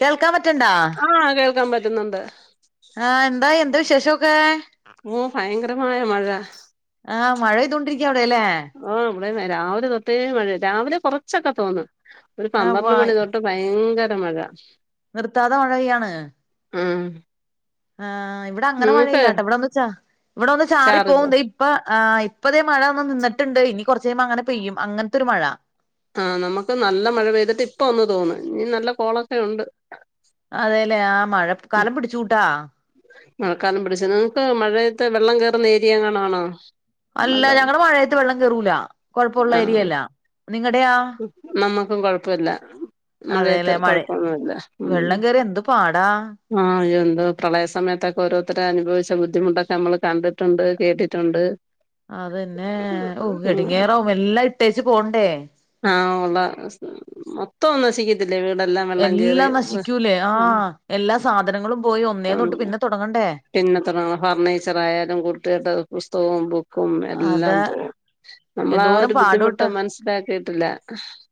കേൾക്കാൻ പറ്റണ്ടാ ആഹ് കേൾക്കാം പറ്റ്ന്നുണ്ട് ആഹ് എന്തായി എന്താ വിശേഷമൊക്കേ ഓഹ് ഭയങ്കരമായ മഴ ആഹ് മഴെയ്താേണ്ടിരിക്ക്യാ അവ്ടെ ലേ ആഹ് വ്ടേംന്നെ രാവ്‌ലെ തൊട്ടേ മഴയാ രാവ്‌ലെ കാെർച്ചൊക്കെ തോന്ന് ഒര് ആഹ് പന്ത്രണ്ട് വാ മണി തൊ ട്ട് ഭയങ്കര മഴാ നിർത്താതെ മഴ പെയ്യാണ് ഉം ആഹ് ഇവിടെ അങ്ങെനെ നിങ്ങക്ക് മഴയില്ലാട്ടാ ഇവ്ടെ ഒന്ന് ചാ ഇവ്ടെ ഒന്ന് ചാറി പോവും ദേ ഇപ്പ ആഹ് പ്പ ദേ മഴ ഒന്ന് നിന്നിട്ട്ണ്ട് ഇനി കൊർച്ചയ്യ്മ്പം അങ്ങനെ പെയ്യും അങ്ങൻത്തൊരു മഴാ ആഹ് നമക്ക് നല്ല മഴ പെയ്തിട്ട് ഇപ്പ ഒന്ന് തോന്ന് ഞ്ഞ് നല്ല കോളാെക്കെയുണ്ട് അതേലെ ആഹ് മഴ ഉം ക്കാലം പിടിച്ചൂട്ടാ മഴക്കാലം പിടിച്ച് നിങ്ങക്ക് മഴയത്ത് വെള്ളം കേറ്ന്ന ഏരിയ എങ്ങാണും ആന്നോ അല്ല ഞങ്ങള് മഴയത്ത് വെള്ളം കേറൂലാ കൊഴപ്പുള്ള ആഹ് ഏരിയല്ലാ നിങ്ങടെയാ നമ്മക്കും കൊഴപ്പ ഇല്ലാ മഴയത്ത് അതേല്ലേ മഴ കാെഴപ്പൊന്നുംല്ലാ ഉം വെള്ളം കേറിയ എന്ത് പാടാ ആഹ് എന്തോ പ്രളയ സമയത്തൊക്കെ ഓരോര്ത്തര് അനുഭവിച്ച ബുദ്ധിമുട്ടൊക്കെ നമ്മള് കണ്ടിട്ടുണ്ട് കേട്ടിട്ടുണ്ട് അതെന്നേ ഓഹ് എടെങ്ങേറാവും എല്ലാം ഇട്ടേച്ച് പോണ്ടേ ആഹ് ഉള്ള [unintelligible] നശിക്കത്തില്ലേ വീടെല്ലാം വെള്ളം കേറി എല്ലാം നശിക്ക്യൂലേ ഉം ആഹ് എല്ലാ സാധനങ്ങളും പോയി ഒന്നേന്നൊട്ട് പിന്നെ തൊടങ്ങണ്ടേ പിന്നെത്രാ ഫർണീച്ചറായാലും കുട്ടികൾടെ പുസ്തകവും ബു ക്കും എല്ലാം അതാ പോവും നമ്മളാ എന്തോരം ഒര് ബുദ്ധിമുട്ട് പാടോട്ടാ മൻസ്സ്ലാക്കി ല്ലാ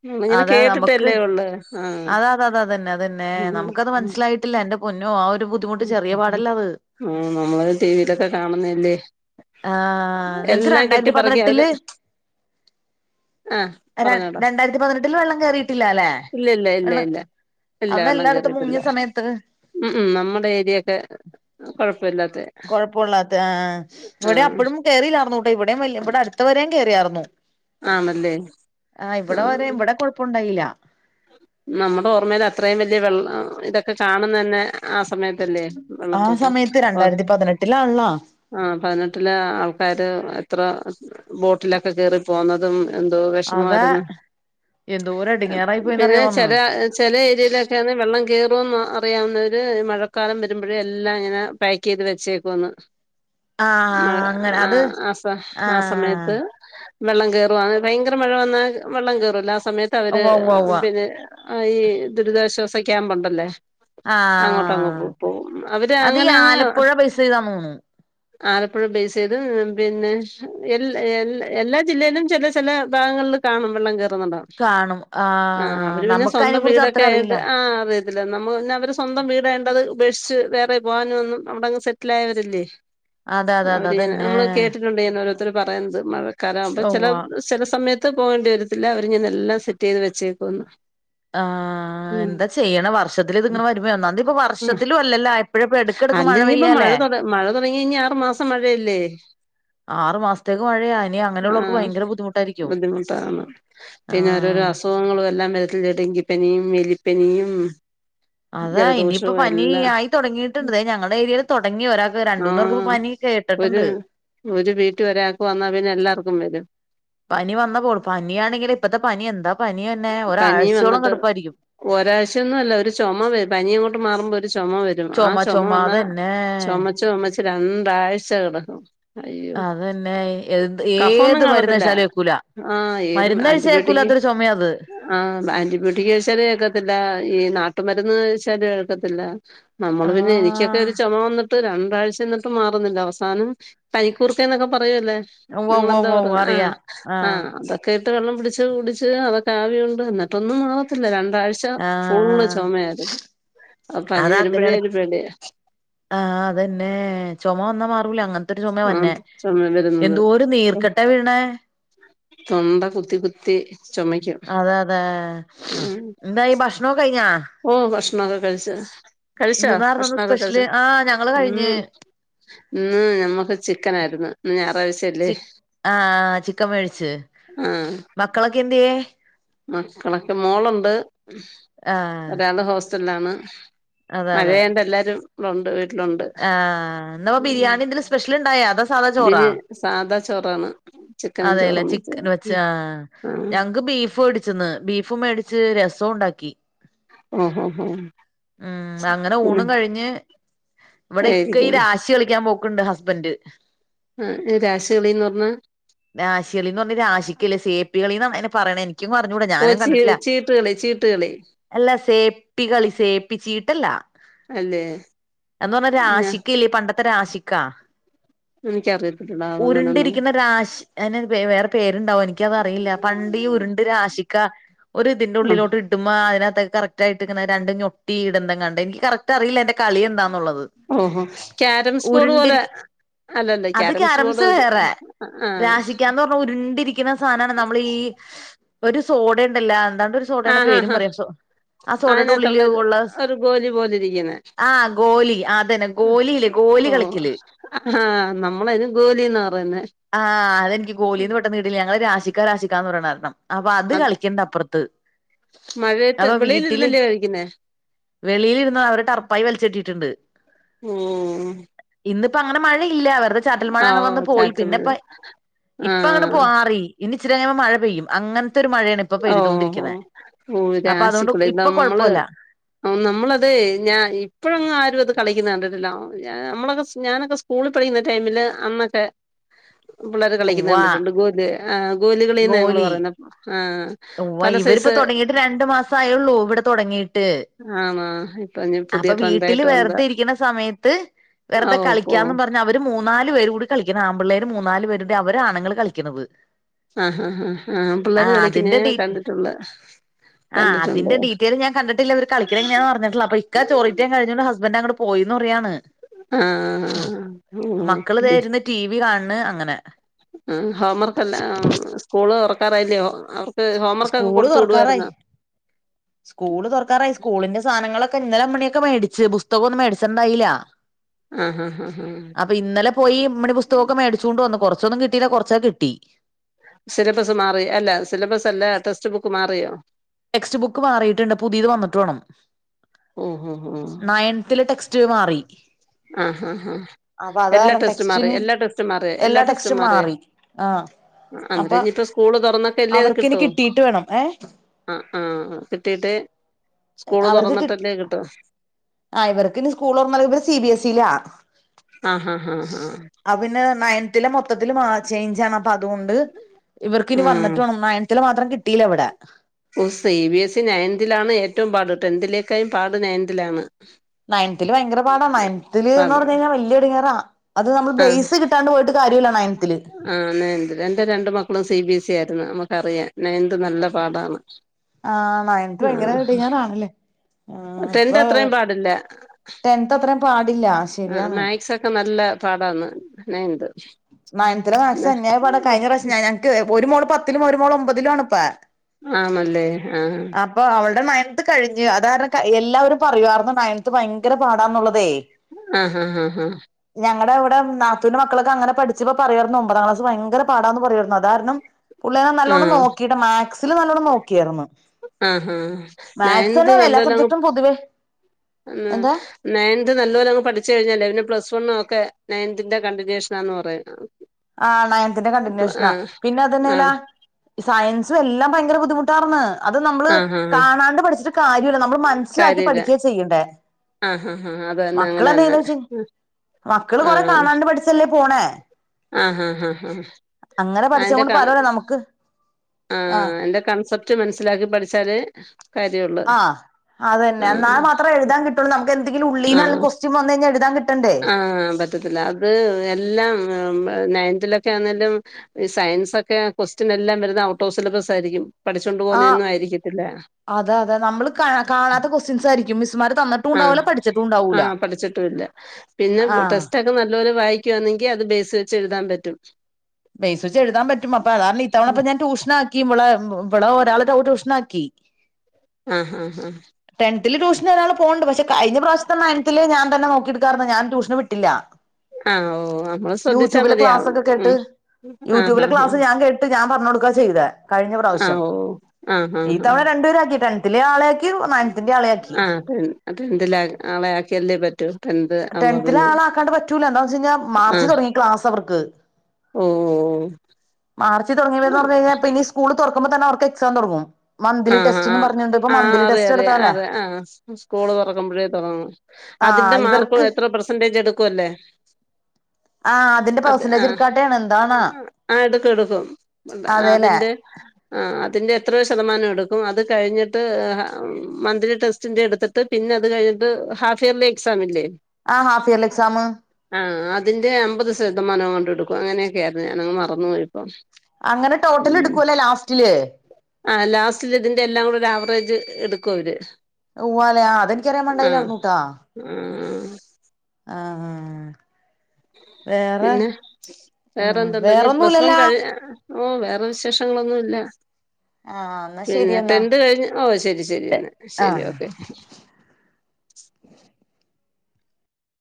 ഉം ഇങ്ങെനെ അതാ നമുക്ക് കേട്ടിട്ടെല്ലേ ഒള്ള് ആഹ് അതാ ഉം ആയ്ട്ടില്ല എന്റെ പൊന്നോ ആ ഒരു ബു ദ്ധിമുട്ട് ചെറിയ പാടല്ല അത് ആഹ് നമ്മള് ടി വിയിലൊക്കെ കാണുന്നല്ലേ ആഹ് നിങ്ങ്ക്ക് എല്ലാം രണ്ടായ്ര്ത്തി കെട്ടിപ്പറക്കി അവര് പതിനെട്ട്ല് ആഹ് ര പറഞ്ഞോടാ രണ്ടായ്ര്ത്തി പതിനെട്ടില് വെള്ളം കേറീട്ടില്ലാലേ ഇല്ല ഇല്ല ഇല്ല വെള്ളം ഇല്ല ഇല്ല വെള്ളം അന്നെല്ലാട്ത്തും കേറിയിട്ടില്ല മുങ്ങ്യ സമയത്ത് ഉം ഉം നമ്മുടെ ഏര്യൊക്കെ കൊഴപ്പ ഇല്ലാത്തെ കൊഴപ്പാെള്ളാത്തേ അഹ് ആഹ് ഇവ്ടെ അപ്പഴും കേറീല്ലാർന്നൂട്ടോ ഇവിടെയും വല്ല്യ ഇവ്ടട് ത്ത് വരേം കേറിയാർന്നു ആണല്ലേ ആഹ് ഇവ്ടെ വരേം വ്ടെ കൊഴ്പ്പാെണ്ടായ്ല്ലാ നമ്മടെ ഓർമ്മേല് അത്രേം വെല്ല്യ വെള്ള ഇതൊക്കെ കാണുന്നെന്നേ ആ സമയത്തല്ലേ ആ വെള്ളപ്പൊക്കം സമയത്ത് ഒഹ് രണ്ടായിരത്തി പതിനെട്ടിലാണല്ലോ ആഹ് പത്‌നെട്ട്ല് ആൾക്കാര് ഇത്ര ബോട്ട്ലൊക്കെ കേറി പോന്നതും എന്തോ അതാ വെഷമവായ്ര്ന്ന് എന്തോരം എടങ്ങേറായി പിന്നെ പോയിന്നറിയാവോ അന്ന് ചെല ചെല ഏര്യേലൊക്ക്യാന്നേ വെള്ളം കേറുവെന്ന് അറിയാവുന്നവര് മഴക്കാലം വരുമ്പഴേ എല്ലാം ഇങ്ങനെ പാക്കെയ്ത് വെച്ചേക്കുവൊന്ന് ആഹ് അങ്ങന അത് ആ സ ആ ആഹ് സമയത്ത് വെള്ളം കേയറുവാണേ ഭയങ്കര മഴ വന്നാൽ വെള്ളം കേറൂലേ ആ സമയത്ത് അവര് ഉവ്വ ഉവ്വ ഉവ്വ ആഹ് ഈ ദുരിതാശ്വാസ ക്യാമ്പൊണ്ടല്ലൊ അങ്ങോട്ട് അങ്ങ് ആഹ് പോവും അവര് അത് ഈ അങ്ങന അങ്ങ് ആലപ്പുഴ ബേസ് ചെയ്താന്ന് തോന്നുന്നു ആലപ്പുഴ ബേസെയ്ത് പിന്നെ എല് എല് എല്ലാ ജില്ലേലും ചെല ചെല ഭാഗങ്ങളില് കാണും വെള്ളം കേറ്ന്നൊണ്ടാ കാണും ആഹ് അവര് പിന്നെ നമുക്ക് അതിനെ സ്വന്തം കുറിച്ച് അത്ര വീടൊക്കെ ആയണ്ട് അറിയില്ല ആഹ് അതെ അല്ല നമ്മ പിന്നെ അവര് സ്വന്തം വീടായോണ്ടത് ഉപേക്ഷിച്ച് വേറെ പോകാനും ഒന്നും അവിടങ്ങ് സെറ്റിലായവരില്ലേ. അതെ അതെ അതെ അവര്ങ്ങനെ അതന്നെ നമ്മള് കേട്ടിട്ടുണ്ട് ഇങ്ങനെ ഓരോരുത്തര് പറയുന്നത് മഴക്കാലം ആവുമ്പോ ചെല ഉവ്വ ചെല സമയത്ത് പോവേണ്ടി വരത്തില്ല അവരിങ്ങനെ എല്ലാം സെറ്റെയ്ത് വച്ചേക്കുവെന്ന്. ആഹ് എന്താ ചെയ്യണേ വർഷത്തിലിതിങ്ങനെ വരുമ്പോ ഒന്നാതി ഇപ്പ ഉം വർഷത്തിലും അല്ലല്ലോ എപ്പഴും എപ്പഴും എടക്കെടക്ക് അല്ല മഴ ഇനിയിപ്പോ പെയ്യാലേ തുട മഴ തൊടങ്ങിയാ ഇനി ആറു മാസം മഴയല്ലേ ആറ് മാസത്തേക്ക് മഴയാ ഇനി ആഹ് അങ്ങനെയുള്ളവർക്ക് ആഹ് ഭയങ്കര ബുദ്ധിമുട്ടായിരിക്കും ബുദ്ധിമുട്ടാണ് പിന്നെ ഓരോരോ ആഹ് അസുഖങ്ങളും എല്ലാം വരത്തില്ലേ ഡെങ്കിപ്പനിയും എലിപ്പനിയും അതാ ഇനിയിപ്പോ ജലദോഷവും പനി എല്ലാം ആയി തൊടങ്ങീട്ടുണ്ട് ദേ ഞങ്ങടെ ഏരിയേല് തൊടങ്ങി ഒരാക്ക് രണ്ട് മൂന്നേർക്ക് ഇപ്പേ ആഹ് പനി ഒരു കേട്ടട്ട്ണ്ട് ഒരു വീട്ടീ ഒരാക്ക് വന്നാ പിന്നെ എല്ലാർക്കും വരും. പനി വന്നപ്പോള് പന്യാണെങ്കില് ഇപ്പത്തെ പനി എന്താ പന്യന്നെ ഒരാഴ്ചയോളം കെടപ്പായിരിക്കും. ഒരായ്ച്ചയൊന്നും അല്ല ഒരു ചൊമ വര് പനി അങ്ങോട്ട് മാറുമ്പ ചൊമ വരും ആ ചുമ ചൊമ ചുമ വന്നാ അതന്നെ ചൊമച്ച് ചൊമച്ച് രണ്ടാഴ്ച കെടക്കും. അതന്നെ എ കഫൊന്നും ഏത് മരുന്ന് കാണത്തില്ല കഴിച്ചാലും ഏക്കൂല ആഹ് ഏതും മരുന്നഴിച്ചാ ആന്റിബയോട്ടിക് ഏക്കൂലാത്തൊര് ചൊമയാത്. ആഹ് ആന്റിബയോട്ടിക് കയിച്ചാലു ഏക്കത്തില്ല ഈ നാട്ടുമരുന്ന് കയിച്ചാലു ഏക്കത്തില്ല. നമ്മള് പിന്നെ എനിക്കൊക്കെ ആഹ് ഒര് ചൊമ വന്നിട്ട് രണ്ടാഴ്ച്ച നിർ വിട്ടു മാറുന്നില്ല അവസാനം പനിക്കൂർക്കേന്നൊക്കെ പറയൂല്ലേ ഉവ്വ ഉവ്വ നിങ്ങളെന്താ ഉവ്വ ഉവ്വ പറയുന്ന ആഹ് അറിയാം ആഹ് അത് ക്കേട്ട് വെള്ളം പിടിച്ച് കുടിച്ച് അതൊക്ക ആവിയുണ്ട് എന്നിട്ടൊന്നും മാറത്തില്ല രണ്ടാഴ് ച്ച ഫുള്ള് ആഹ് ചൊമയായിര്ന്ന് ആ പനി അത് വരുമ്പോഴേ അങ്ങനെയാണ് ഒരു പേടിയ ആഹ് അതന്നേ ചൊമ വന്നാ മാറൂല അങ്ങന് രു ചൊമയാ ആഹ് വര്നേ ചുമ വരുന്നത് എന്തോരു നീർക്കെട്ടാ വീണേ തൊണ്ട കുത്തി കുത്തി ചൊമയ് അതെ അതെ എന്തായി ഭക്ഷണോക്കെ കയിഞ്ഞാ ഉം ഭക്ഷണൊക്കെ കഴിച്ച് കഴിച്ചാ എന്തുന്നാർന്നു ഇന്ന് ഭക്ഷണൊക്കെ സ്പെഷ്യല് കഴിച്ചാ ആഹ് ഞങ്ങള് കഴിഞ്ഞ് ഉം ഇന്ന് ഞമ്മക്ക് ചിക്കനായിര്ന്ന് ഇന്ന് ഞാറായ്ച്ച്യല്ലേ ചി ആഹ് ചിക്കൻ മേടിച്ച് ആഹ് മക്കളൊക്കെ എന്തിയെ മക്കളൊക്കെ മോളുണ്ട് ആഹ് ഒരാള് ഹോസ്റ്റലിലാണ് അതെ അതെ മഴെയായൊണ്ട് എല്ലാരും ഇവടെ ഉണ്ട് വീട്ടിലുണ്ട് ആഹ് എന്ന പ്പ ബിരിയാണി എന്തെലും സ്പെഷ്യൽ ഉണ്ടായോ അതൊ ബിരി സാദാ ചോറാണ് ചിക്കനും അതെല്ലേ ചോറും ചിക്കൻ വെച്ചത് വെച്ച ആഹ് ആഹ് ഞങ്ങക്ക് ബീഫ്ടി ന്ന് ബീഫും മേടിച്ച് രസവും ഉണ്ടാക്കി ഓഹോ ഹോ ആഹ് അങ്ങനെ പിന്നെ ഊണും കഴിഞ്ഞ് ഇവടെ ഇക്ക ഈ ഇരിക്കുന്നു രാഷ് ശി കളിക്കാൻ പോക്കുണ്ട് ഹസ്ബൻഡ്. ആഹ്‌ രാശി കളീന്ന് പർഞാ. രാശിളീന്ന് പറഞ്ഞ രാശിക്കല്ലേ സേപ്പികളി ന്നാ അയ്ന പറയണെ എനിക്കും അറിഞ്ഞൂട ഓ ഞാനും ചീ കണ്ട ചീട്ടുകളി ചീട്ടുകളി. അല്ലാ സേപ്പികളി സേപ്പി ച്ചീട്ടല്ലാ. അല്ലേ എന്ന് പർഞ്ഞാ ഞാ രാശിക്കല്ലേ പണ്ടത്തെ രാശിക്കാ എനിക്കറിയപ്പെട്ടുടാ അങ്ങനെന്നും. അയിന് വേ വേറെ പേരുണ്ടാവും എനിക്കതറിയില്ല പണ്ട് ഈ ഉരുണ്ട് രാശിക്കാ ഒര്തിന്റെ ആഹ് ഉള്ളിലോട്ട് ചുമ്മാ അതിനകത്ത കറക്റ്റ് ആയിട്ട് ങ്ങനെ രണ്ട് ഞൊട്ടി ഇടുന്നെങ്ങാണ്ട് എനിക്ക് കറക്റ്റ് അറിയില്ല എന്റെ കളി എന്താന്നുള്ളത്. ഓഹോ ക്യാരംസ് ബോഡ് പോലെ ഉരുണ്ടിരിക്ക അല്ലല്ലേ അത് ക്യാരംസ് ബോർഡ് വേറെ ആഹ് രാശിക്കാന്ന് പർഞ്ഞാ ഉരുണ്ടിരിക്കുന്ന സാനാണ് നമ്മളി ഈ ഒരു സോഡണ്ടല്ലാ എന്താണ്ട് ഒര് സോഡേനെ ആഹ് ഹാ പേരും ഹാ പറയാ സൊ ആഹ്‌ അതിനകത്തുള്ള സോഡേന്റുള്ളില് ഒരു ഉള്ള ഒരു ഗോലി പോലിരിക്കുന്നെ ആഹ്‌ ഗോലി ആഹ് അതന്നെ. ഗോലില്ലേ ഗോലി കളിക്കല്. ഹാ നമ്മളയിന് ഗോലീന്നാ പറയുന്നേ. ആഹ് അതെനിക്ക് ഗോലീന്ന് പെട്ടെന്ന് കേട്ടില്ല ഞങ്ങള് രാശിക്കാ രാശിക്കാ എന്ന് പറണെ അപ്പൊ അത് കളിക്ക്ണ്ട് അപ്പറത്ത് മഴയത്ത് അപ്പൊ വീട്ടില് വെളിയിലിരുന്നല്ലേ കഴിക്കുന്നേ വെളിയിലിരുന്നാ അവര് ടറപ്പായി വൽച്ച് കെട്ടീട്ടുണ്ട്. ഉം ഇന്ന്പ്പ അങ്ങനെ മഴയില്ലാ വെറ്തെ ചാറ്റൽ മഴ ആ അങ്ങ് ഓ വന്ന് പോയി പിന്നെപ്പ ചാറ്റുമ്പഴ് ഇപ്പ അങ്ങനെ ആഹ് പാറി ഇനി ഇച്ചിരി കയ്യുമ്പോ മഴ പെയ്യും അങ്ങൻത്തെരു മഴേണ് ഓഹ്‌ ഓഹ് ഓ അതുകൊണ്ട് രാശികളി ഇപ്പൊ നമ്മള് കൊഴപ്പല്ല ഓഹ്‌ നമ്മളതെയ് ഞാൻ ഇപ്പഴൊന്നും ആരും അത് കളിക്കുന്ന കണ്ട്ട്ടില്ലാ ഞാ ഞമ്മളൊക്കെ ഞാനൊക്കെ സ് സ്കൂള് പഠിക്കുന്ന ടൈമില് അന്നൊക്കെ പിള്ളേര് കളിക്കുന്ന ഉവ്വ കണ്ടിട്ടുണ്ട്, ഗോലി ആ ഗോലി കളീന്നാ ഞങ്ങള് പറയുന്നേ ആഹ്‌. ഉവ്വ് ഇവരിപ്പോ തൊടങ്ങീട്ട് രണ്ടു മാസ ആയള്ളൂ വടെ തൊടങ്ങീ ട്ട് ആണോ ഇപ്പൊ ഇനി അപ്പൊ പുതിയ വീട്ടില് ട്രെൻഡായിട്ട് വന്നതാ വെർതെ ഇരിക്ക്ണ സമയത്ത് ആ വെർതെ ഓ പോ കളിക്കാന്നും പർഞ്ഞവ ര് മൂന്നാല് പേര് കൂടി കളിക്കണം ആമ്പിള്ളേര് മൂന്നാല് പേര്ത് അവരാണുങ്ങള് കളിക്കുന്നത്. ഹാ ഹാ ഹാ ഹാ പിള്ളേര് കളി തിന്റെ ഡീറ്റെ ആഹ്‌ കണ്ടിട്ടുണ്ട് അതിന്റെ ഡീറ്റെയില് ഞൻ കണ്ടിട്ടില്ല വര് കളി ങ്ങനെ ഞാൻ അറിഞ്ഞിട്ടില്ല അപ്പ ഇക്ക ചോറീറ്റം കഴിഞ് ഹസ്ബൻഡ് അങ്ങോട്ട്‌ പോയിന്ന് പറയാണ്. ആഹ് ആ. മക്കള് ദേ ഇര്ന്ന് ടി. വി കാൻണ് അങ്ങനെ. ആ ഹോംവർക്കല്ല സ്കൂള് തൊറക്കാറായില്ലയോ അവർക്ക് ഹോംവർക്കൊക്കെ സ്കൂള് കൊടുത്ത് തൊറക്കാറായി വിടുവായിരുന്നോ? സ്കൂള് തൊറക്കാറായി സ്കൂളിന്റെ സാനങ്ങളൊക്കെ ഇന്നലേ അമ്മണിയൊക്കെ മേടിച്ച് പുസ്തകം ഒന്നും മേടിച്ചിണ്ടായില്ല. [inaudible] ആഹ് ഹാ ഹാ ഹാ. അപ്പൊ ഇന്നലെ പോയി ഇമ്മ്ണി പുസ്തകൊക്കെ മേടിച്ചുകൊണ്ട് വന്ന് കൊറച്ചൊന്നും കിട്ടയില്ല കൊറച്ചൊക്ക കിട്ടി. സിലബസ് മാറി അല്ല സിലബസ് അല്ല ടെക്സ്റ്റ് ബുക്ക് മാറിയോ? ടെക്സ്റ്റ്ബുക്ക് മാറിയിട്ട്ണ്ട് പുതിയത് വന്നിട്ട് വാണം ഓഹ് ഓഹ് ഓഹ് നയൻത്തിലെ ടെക്സ് റ്റ് മാറി. ആഹ് ആഹ് ആഹ് അപ്പൊ അത് എല്ലാ കാരണം ടെസ്റ്റും മാറി ടെക്സ്റ്റിന് എല്ലാ ടെസ്റ്റും മാറി എല്ലാ ടെസ്റ്റും മാറി ആഹ് അന്നേരം അപ്പൊ ഇനി ഇപ്പോ സ്കൂള് തൊറന്നിട്ടല്ലേ അത് അവർക്കിനി കിട്ടൂ കിട്ടീട്ട് വേണം ഏഹ് ആഹ് ആഹ് കിട്ടിയിട്ട് സ്കൂള് അവർക്ക് കി തുറന്നിട്ടല്ലേ കിട്ടൂ ആ ഇവർക്ക് ഇനി സ്കൂള് തൊറന്നാ ഇവര് സി ബി എസിലാ ആഹ് ആഹ് ആഹ് ആഹ് അവന് നയൻതില് മൊത്തത്തില് മ ചേഞ്ചാണ് അപ്പ അതുകൊണ്ട് ഇവർക്ക് ഇനി വന്നിട്ട് ഉം വേണം നയൻതില് മാത്രം കിട്ടിയില്ല ഇവിടെ ഓ സി ബി എസി നയൻതിലാണ് ഏറ്റവും പാട് ടെൻതിലേക്കാലും പാട് നയൻതിലാണ് നയൻതില് ഭയങ്കര പാടാ നയൻതില് എന്ന് പാടാ പറഞ്ഞ് കഴിഞ്ഞാൽ വല്ല്യ ഇടങ്ങേറ അത് നമ്മള് ആഹ് ബേസ് കിട്ടാതെ പോയിട്ട് കാര്യവില്ല നയൻതില് ആഹ് നയൻത് എന്റെ രണ്ട് മക്കളും സി ബി എസ് ഇ ആയിരുന്നു നമുക്കറിയാം നയൻത് നല്ല പാടാണ് ആഹ് നയൻത് ഭയങ്കര ആഹ് ഇഡങ്ങേറാണല്ലേ ആഹ് ടെൻത് ഇപ്പോ അത്രയും പാടില്ല ടെൻത് അത്രേയും പാടില്ല ആഹ് ശരിയാണ് മാത്‍സൊക്കെ നല്ല പാടാന്ന് നയൻത് നയൻതിലെ മാത്‍സ് പിന്നെ അന്യായ പാടാ കഴിഞ്ഞ പ്രാവശ്യം ഞങ്ങക്ക് ഒരു മോള് പത്തിലും ഒര മോള് ഒമ്പതിലും ആണ് ഇപ്പോ ആണല്ലേ ആഹ് അപ്പൊ അവളുടെ നയൻത് കഴിഞ്ഞ് അത് കാരണം എല്ലാവരും പറയുവാരുന്നു നയൻത് ഭയങ്കര പാടാന്നുള്ളതേ ആഹ് ആഹ് ആഹ് ആഹ് ഞങ്ങടെ അവിടെ നാത്തൂന്റെ മക്കളൊക്കെ അങ്ങനെ പഠിച്ചപ്പോ പറയാരുന്നു ഒമ്പതാം ക്ലാസ് ഭയങ്കര പാടാന്ന് പറയുവാരുന്നു അത് കാരണം പുള്ളി അങ്ങനെ നല്ലോണം ആഹ് നോക്കിയിട്ട് മാത്‍ സില് നല്ലോണ്ണം നോക്കിയായിരുന്നു ആഹ് നയൻത് നല്ല പോലെ പൊതുവേ ഏഹ് എന്താ നയൻത് നല്ലപോലെ അങ്ങ് പഠിച്ചു കഴിഞ്ഞാലേ പിന്നെ പ്ലസ് വൺ ഒക്കെ നയൻതിന്റെ കണ്ടിന്യൂഷൻ ആന്ന് പറയും ആഹ് നയൻതിന്റെ കണ്ടിന്യുഷനാ ആഹ് പിന്നെ അത് തന്നെയല്ലാ ആഹ് സയൻസും എല്ലാം ഭയങ്കര ബുദ്ധിമുട്ടാണെന്ന് അത് നമ്മള് ആഹ് ആഹ് കാണാണ്ട് പഠിച്ചിട്ട് കാര്യമില്ല നമ്മള് മ നസ്സിലാക്കി കാര്യല്ല പഠിക്കുകയാ ചെയ്യണ്ടേ ആഹ് ഹാ ഹാ അത് തന്നെ അങ്ങനെ മക്കള് തന്നെ [unintelligible] മക്കള് കൊറേ ആഹ് കാണാണ്ട് പഠിച്ചല്ലേ പൊന്നേ ആഹ് ആ ആ അങ്ങനെ ആ പഠിച്ച അയിന്റെ കൊണ്ട് കാ പലോലെ നമുക്ക് ആ അയിന്റെ കൺസെ പ്റ്റ് മനസ്സിലാക്കി പഠിച്ചാലേ കാര്യമുള്ളൂ ആഹ് ഇപ്പോൾ നമുക്ക് എന്തെങ്കിലും ഉള്ളീന്ന് ഒരു ക്വസ്റ്റ്യൻ വന്നു കഴിഞ്ഞാൽ എഴുതാൻ കിട്ടണ്ടേ ആഹ് പറ്റത്തില്ല അത് എല്ലാം നയൻതിലൊക്കെ ആണേലും ഈ സയൻസൊക്കെ ക്വസ്റ്റ്യൻ എല്ലാം വരുന്നത് ഔട്ട് ഓഫ് സിലബസ് ആയിരിക്കും പഠിച്ചോണ്ട് പോന്നതൊന്നും ആയിരിക്കത്തില്ല അതെയതെ നമ്മള് കാ കാണാത്ത ക്വസ്റ്റ്യൻസ് ആയിരിക്കും മിസ്സുമാര് തന്നിട്ടും ആഹ് ഉണ്ടാവില്ല പഠിച്ചിട്ടും ഉണ്ടാവില്ല ആഹ് പഠിച്ചിട്ടുമില്ല പിന്നെ ടെസ്റ്റൊക്കെ നല്ലപോലെ വായിക്കുകയാണെങ്കിൽ അത് ബേസ് വെച്ച് എഴുതാൻ പറ്റും ബേസ് വെച്ച് എഴുതാൻ പറ്റും അപ്പം അതുകാരണം ഇത്തവണ ഇപ്പം ഇപ്പം ഞാൻ ട്യൂഷന് ഇവളെ ഇവളെ ഒരാൾക്ക് ട്യൂഷൻ ആക്കി ആഹ് ആഹ് ആഹ് ടെൻതില് ട്യൂഷന് ഒരാള് പോകുന്നുണ്ട് പക്ഷേ കഴിഞ്ഞ പ്രാവശ്യത്തെ നയൻതില് ഞാൻ തന്നെ നോക്കിയത് കാരണം ഞാൻ ട്യൂഷന് വിട്ടില്ല ആഹ് ഓഹ് നമ്മള് ശ്രദ്ധിച്ചാൽ യൂട്യൂബിലെ മതിയാവും ക്ലാസ്സൊക്കെ ഉം കേട്ട് യൂട്യൂബിലെ ക്ലാസ് ഞാൻ കേട്ടിട്ട് ഞാൻ പറഞ്ഞു കൊടുക്കുക ചെയ്തേ കഴിഞ്ഞ ആ പ്രാവശ്യം ഓ ആ ഇത്തവണ രണ്ട് പേരെയും ആക്കി ടെൻതിലെ ആളെ ആഹ് ടെ ടെൻതിലെ ആളെ ആക്കിയല്ലേ പറ്റൂ ടെൻത് ആവുമ്പോ ടെൻത്തിലെ പിന്നെ ആളെ ആക്കാണ്ട് പറ്റൂല്ല എന്താന്ന് വെച്ചെഴിഞ്ഞാൽ ആ മാർച്ച് തൊടങ്ങി ക്ലാസ് അവർക്ക് ഓ മാർച്ച് തുടങ്ങിലെയന്ന് ആ പറഞ്ഞയ്ഞ്ഞാ പിന്നീ സ് സ്കൂള് തൊറക്കുമ്പോ തന്നെ അവർക്ക് എക്സാം തൊടങ്ങും ആഹ് ആഹ് ആഹ് ആഹ് അറിയ അറിയ എടുത്താലേ അറിയ ആഹ് സ്കൂള് തുറക്കുമ്പോഴേ തൊടങ്ങു ആ അതിന്റെ മാർക്കു ഇവർക്ക് എത്ര പ്രെസെന്റേജ് എടുക്കു അല്ലേ ആ അതിന്റെ അത് പെർസെന്റേജ് ആഹ് എടുക്കാട്ടെയാണ് എന്താണ് ആഹ് എടുക്കു എടുക്കും ത് ആഹ് അതെല്ലേ അതിന്റെ ആഹ് അതിന്റെ എത്ര ശതമാനാ ടുക്കും അത് കഴിഞ്ഞിട്ട് [unintelligible] മന്ത്ലി ടെസ്റ്റിന്റെ എട്ത്ത്ട്ട് പിന്നെ അത് കഴ്ഞ്ഞ്ട്ട് ഹാഫ് ഇയർലി ക്സാമില്ലേ ആ ഹാഫ് ഇയർലി എക്സാമ് ആഹ് അതിന്റെ അമ്പത് സദമാനങ്ങട്ട്ട്ക്കും അങ്ങനെയൊക്കെയായിരുന്നു ഞാൻ അത് മറന്നു പോയി ഇപ്പോ അങ്ങനെ ടോട്ടൽ എടുക്കുവല്ലേ ലാസ്റ്റില് ആഹ് ലാസ്റ്റില് ഇതിന്റെ എല്ലാം കൂടെ ഒരു ആവറേജ് എടുക്കു അവര് ഉവ്വാലേ ആഹ് അതെനിക്കറിയാപാട്ണ്ടില്ലാ ആഹ് യിരുന്നൂട്ടാ ആഹ് ആഹ് വേറെ പിന്നെ ആഹ് വേറൊന്നുല്ലല്ലാ ഉം വേറെ വിശേഷങ്ങളൊന്നു ഇല്ല ആ എന്നാ ശരി എന്നാ പിന്നെട്ടെന്ത് കഴിഞ്ഞ് ഓഹ് ശരി ശരി എന്ന ശരി ആഹ് ഓക്കെ